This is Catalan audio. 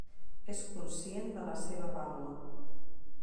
És conscient de la seva vàlua.